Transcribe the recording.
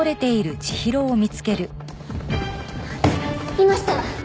いました！